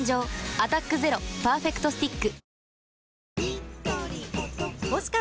「アタックＺＥＲＯパーフェクトスティック」